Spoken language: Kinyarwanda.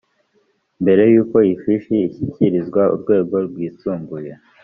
mbere y uko ifishi ishyikirizwa urwego rwisumbuye